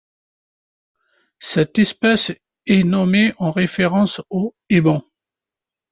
Cette espèce est nommée en référence aux Iban.